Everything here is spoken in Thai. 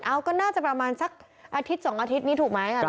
เอาก็น่าจะประมาณสักอาทิตย์๒อาทิตย์นี้ถูกไหม